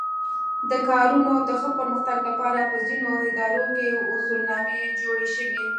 د کارونو د ښه پرمختګ لپاره په ځینو ادارو کې اصولنامې جوړې شوې.